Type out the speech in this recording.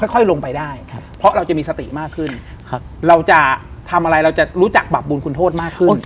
ค่อยลงไปได้เพราะเราจะมีสติมากขึ้นเราจะทำอะไรเราจะรู้จักบาปบุญคุณโทษมากขึ้น